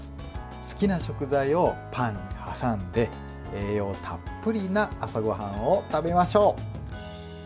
好きな食材をパンに挟んで栄養たっぷりな朝ごはんを食べましょう。